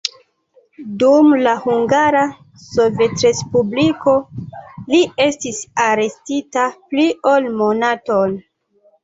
Dum la Hungara Sovetrespubliko li estis arestita pli ol monaton.